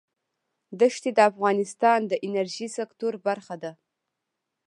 ښتې د افغانستان د انرژۍ سکتور برخه ده.